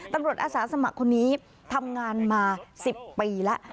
ตำรวจอาสาสมะคนนี้ทำงานมาสิบปีแล้ว